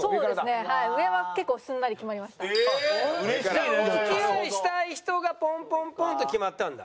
じゃあお付き合いしたい人がポンポンポンと決まったんだ？